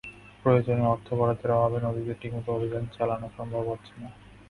প্রয়োজনীয় অর্থ বরাদ্দের অভাবে নদীতে ঠিকমতো অভিযান চালানো সম্ভব হচ্ছে না।